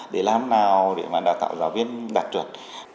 để làm nào để mà đào tạo giáo viên đạt chuẩn